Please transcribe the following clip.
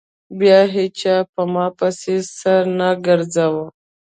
بيا هېچا په ما پسې سر نه گرځاوه.